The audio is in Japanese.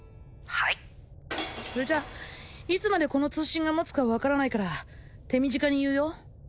はいそれじゃいつまでこの通信がもつか分からないから手短に言うよ